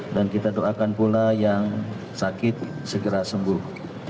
dan kita doakan pula yang sakit segera sembuh